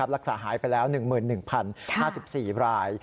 รักษาหายไปแล้ว๑๑๐๕๔ราย